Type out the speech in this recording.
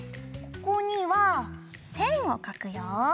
ここにはせんをかくよ。